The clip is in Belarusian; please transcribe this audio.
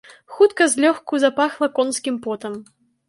Хутка злёгку запахла конскім потам.